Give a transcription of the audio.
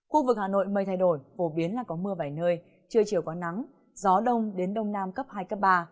khu vực hà nội mây thay đổi phổ biến là có mưa vài nơi trưa chiều có nắng gió đông đến đông nam cấp hai cấp ba